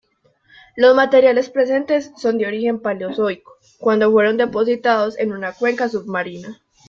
Los materiales presentes son de origen paleozoico, cuando fueron depositados en una cuenca submarina.